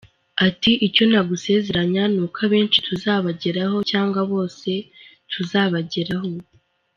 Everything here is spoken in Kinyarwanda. Ati “Icyo nagusezeranya ni uko abenshi tuzabageraho cyangwa bose tuzabageraho.